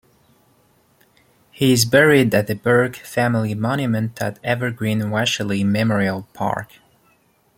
He is buried at the Burke family monument at Evergreen Washelli Memorial Park.